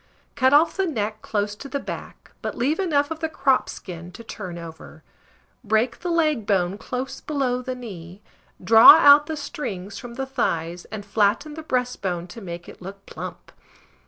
Cut off the neck close to the back, but leave enough of the crop skin to turn over; break the leg bone close below the knee, draw out the strings from the thighs, and flatten the breastbone to make it look plump.